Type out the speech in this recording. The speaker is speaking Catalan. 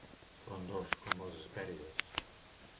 Frondós, com les Hespèrides